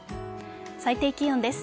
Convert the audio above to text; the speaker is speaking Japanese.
最低気温です。